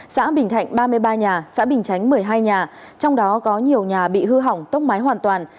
xã bình thạnh ba mươi ba nhà xã bình chánh một mươi hai nhà trong đó có nhiều nhà bị hư hỏng tốc mái hoàn toàn